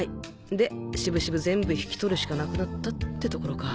で渋々全部引き取るしかなくなったってところか。